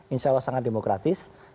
insya allah sangat demokratis